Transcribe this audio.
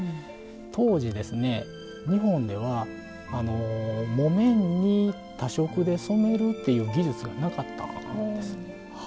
当時日本では木綿に多色で染めるっていう技術がなかったんです。